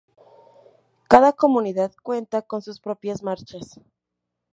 Cada comunidad cuenta con sus propias marchas.